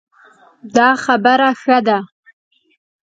دا خبره ښه ده